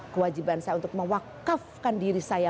kewajiban saya untuk mewakafkan diri saya